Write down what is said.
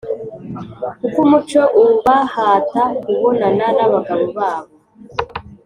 kuko umuco ubahata kubonana n’abagabo babo.